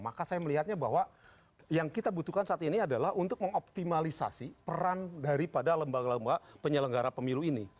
maka saya melihatnya bahwa yang kita butuhkan saat ini adalah untuk mengoptimalisasi peran daripada lembaga lembaga penyelenggara pemilu ini